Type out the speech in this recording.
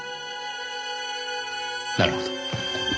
なるほど。